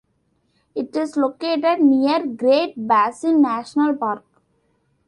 It is located near Great Basin National Park.